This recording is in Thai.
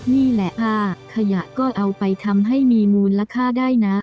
นี่แหละผ้าขยะก็เอาไปทำให้มีมูลค่าได้นะ